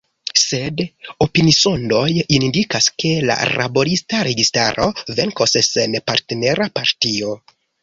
Sed opinisondoj indikas, ke la Laborista Registaro venkos sen partnera partio.